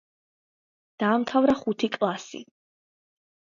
დაამთავრა ხუთი კლასი.